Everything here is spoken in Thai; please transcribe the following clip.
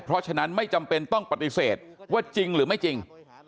เพราะฉะนั้นไม่จำเป็นต้องปฏิเสธว่าจริงหรือไม่จริง